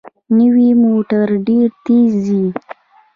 نوې موټر ډېره تېزه ځي